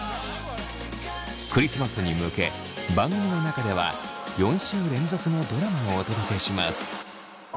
クリスマスに向け番組の中では４週連続のドラマをお届けします。